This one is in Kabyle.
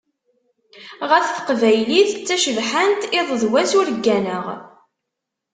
Ɣef teqbaylit, d tacebḥant, iḍ d wass ur gganeɣ.